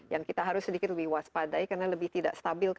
yang kita harus sedikit lebih waspadai karena lebih tidak stabil